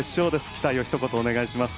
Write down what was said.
期待をひと言、お願いします。